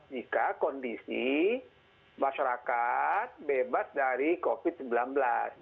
jika kondisi masyarakat bebas dari covid sembilan belas